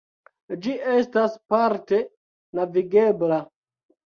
Ĝi estas parte navigebla.